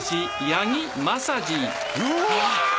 うわ。